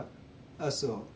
あっそう。